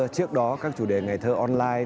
trước đó các chủ đề ngày thơ online